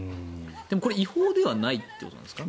これ違法ではないということですか。